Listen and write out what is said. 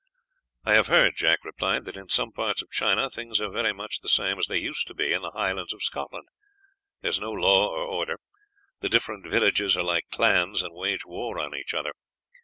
"I have heard," Jack replied, "that in some parts of China things are very much the same as they used to be in the highlands of Scotland. There is no law or order. The different villages are like clans, and wage war on each other.